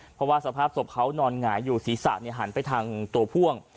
เพราะว่าสภาพศพเขานอนหงายอยู่ศีรษะหันไปทางตัวพ่วง